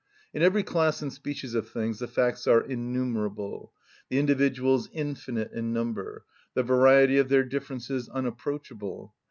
In every class and species of things the facts are innumerable, the individuals infinite in number, the variety of their differences unapproachable.